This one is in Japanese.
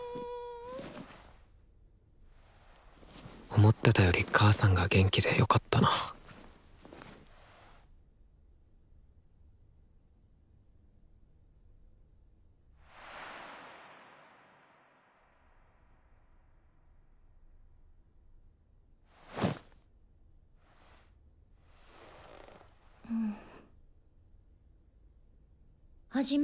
思ってたより母さんが元気でよかったなハジメ。